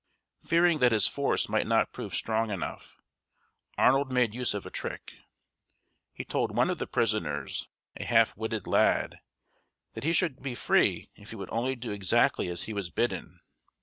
Fearing that his force might not prove strong enough, Arnold made use of a trick. He told one of the prisoners, a half witted lad, that he should be free if he would only do exactly as he was bidden.